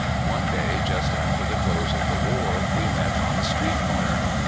One day, just after the close of the war, we met on a street corner.